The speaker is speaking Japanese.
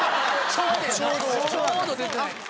ちょうど出てない。